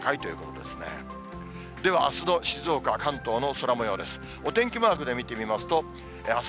では、あすの静岡、関東の空もようです。